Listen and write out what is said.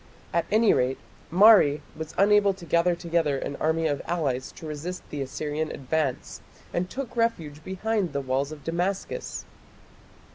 At any rate Mari was unable to gather together an army of allies to resist the Assyrian advance, and took refuge behind the walls of Damascus.